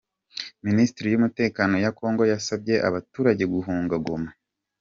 Minisiteri yumutekano ya kongo yasabye abaturage guhunga Goma